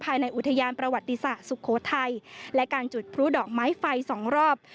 ภายในอุทยานประวัติศาสตร์สุโขทัยและการจุดพลุดอกไม้ไฟสองรอบ